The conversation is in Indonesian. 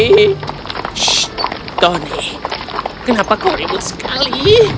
sh tony kenapa kau ribut sekali